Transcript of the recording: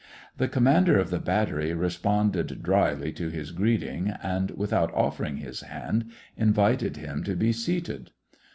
The commander of the battery responded dryly to his greeting, and, without offering his hand, invited him to be seated.